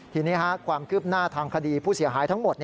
ทีนี้ความคืบหน้าทางคดีผู้เสียหายทั้งหมด